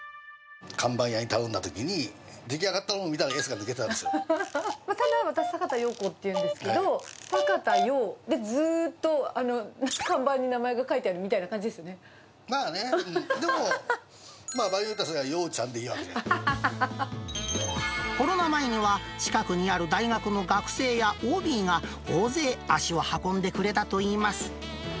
看板屋に頼んだときに、出来上がったものを見たら、例えば、私、坂田陽子っていうんですけど、坂田陽で、ずっと看板に名前が書まあね、でも、まあ場合によコロナ前には、近くにある大学の学生やＯＢが、大勢、足を運んでくれたといいます。